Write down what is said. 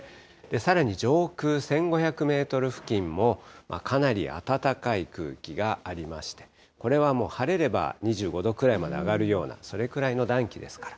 さらに上空１５００メートル付近もかなり暖かい空気がありまして、これはもう晴れれば２５度ぐらいまで上がるような、それくらいの暖気ですから。